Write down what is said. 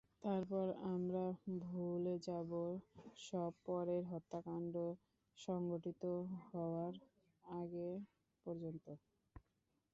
তারপর আমরা ভুলে যাব সব, পরের হত্যাকাণ্ড সংঘটিত হওয়ার আগে পর্যন্ত।